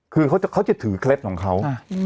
คือเขาจะถือเคล็ดของเขา